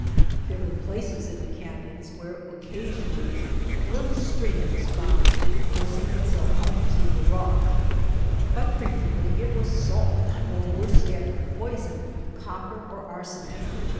There were places in the canyons where occasionally a little stream was found forcing itself up through the rock; but frequently it was salt or, worse yet, poisoned with copper or arsenic.